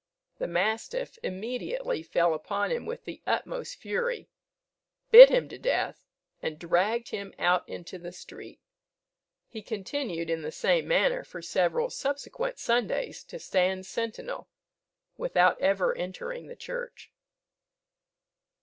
The mastiff immediately fell upon him with the utmost fury, bit him to death, and dragged him out into the street. He continued in the same manner for several subsequent Sundays to stand sentinel, without ever entering the church.